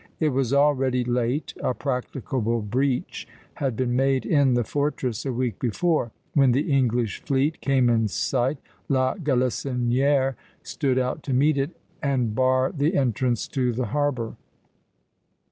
It was already late; a practicable breach had been made in the fortress a week before. When the English fleet came in sight, La Galissonière stood out to meet it and bar the entrance to the harbor.